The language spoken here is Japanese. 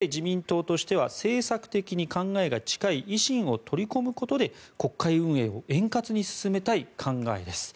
そして、自民党としては政策的に考えが近い維新を取り込むことで国会運営を円滑に進めたい考えです。